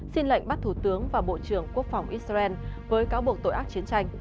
xin lệnh bắt thủ tướng và bộ trưởng quốc phòng israel với cáo buộc tội ác chiến tranh